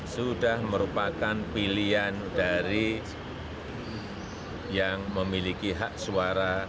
sudah merupakan pilihan dari yang memiliki hak suara